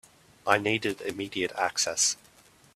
I needed immediate access.